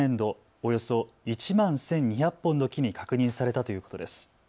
およそ１万１２００本の木に確認されたということです。